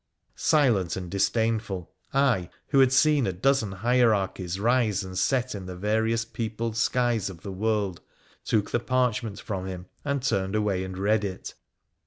Silent and disdainful, I, who had seen a dozen hierarchies rise and set in the various peopled skies of the world, took the parchment from him and turned away and read it.